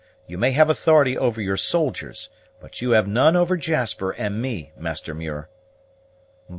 You may have authority over your soldiers; but you have none over Jasper and me, Master Muir."